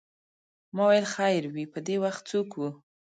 ما ویل خیر وې په دې وخت څوک و.